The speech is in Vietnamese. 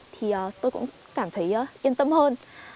thì tôi cũng cảm thấy yên tâm hơn